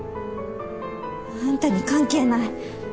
あんたに関係ない。